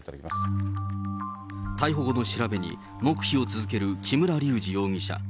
逮捕後の調べに黙秘を続ける木村隆二容疑者。